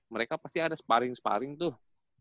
mereka pasti ada sparring sparring tuh